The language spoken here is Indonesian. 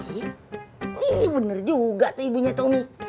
iya bener juga tuh ibunya tuh nih